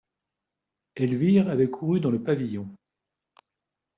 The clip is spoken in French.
Elvire avait couru dans le pavillon.